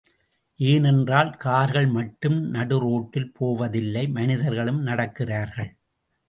ஏனென்றால் கார்கள் மட்டும் நடு ரோட்டில் போவது இல்லை மனிதர்களும் நடக்கிறார்கள்.